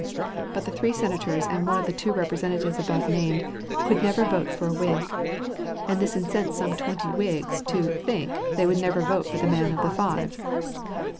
But the three Senators and one of the two Representatives above named 'could never vote for a Whig,' and this incensed some twenty Whigs to 'think' they would never vote for the man of the five."